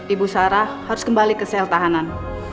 ibu sarah harus kembali ke sel tahanan